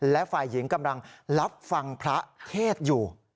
และฝ่ายหญิงกำลังรับฟังพระเทศอยู่